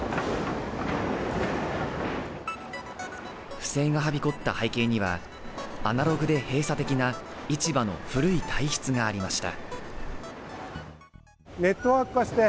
不正がはびこった背景にはアナログで閉鎖的な市場の古い体質がありました